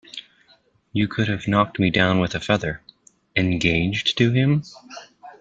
You could have knocked me down with a feather. "Engaged to him?"